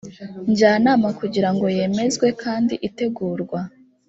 njyanama kugira ngo yemezwe kandi itegurwa